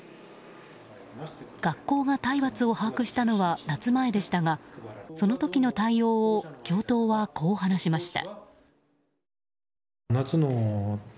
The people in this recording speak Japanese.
学校が体罰を把握したのは夏前でしたがその時の対応を教頭はこう話しました。